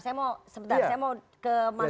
saya mau sebentar saya mau ke mas umam dulu